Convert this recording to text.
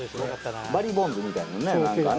バリー・ボンズみたいな、なんかね。